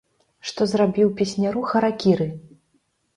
Што зрабіў песняру харакіры!